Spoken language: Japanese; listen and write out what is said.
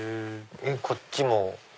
こっちも。